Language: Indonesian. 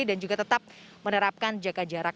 juga tetap menerapkan jaga jarak